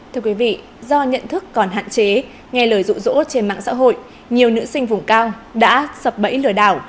thưa quý vị do nhận thức còn hạn chế nghe lời rụ rỗ trên mạng xã hội nhiều nữ sinh vùng cao đã sập bẫy lừa đảo